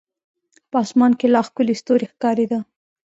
په اسمان کې لا ښکلي ستوري ښکارېده.